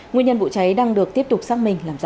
nguyên nhân vụ cháy đang được tiếp tục xác minh làm rõ